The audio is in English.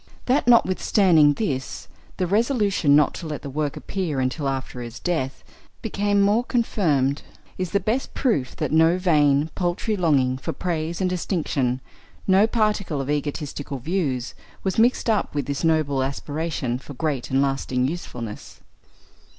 That, notwithstanding this, the resolution not to let the work appear until after his death became more confirmed is the best proof that no vain, paltry longing for praise and distinction, no particle of egotistical views, was mixed up with this noble aspiration for great and lasting usefulness.